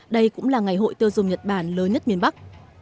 đây cũng là ngày hội tiêu dùng nhật bản lớn nhất miền bắc